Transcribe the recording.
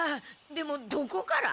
でもどこから？